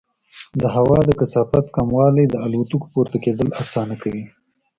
د هوا د کثافت کموالی د الوتکو پورته کېدل اسانه کوي.